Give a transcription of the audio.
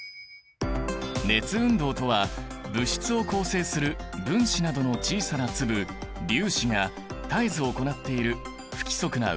熱運動とは物質を構成する「分子」などの小さな粒「粒子」が絶えず行っている不規則な運動のこと。